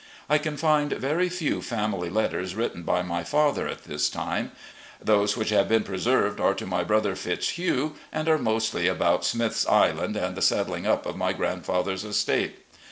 I can find very few family letters written by my father at this time. Those which have been preserved are to my brother Fitzhugh, and are mostly about Smith's Island and the settling up of my grandfather's estate.